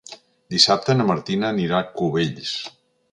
Dissabte na Martina anirà a Cubells.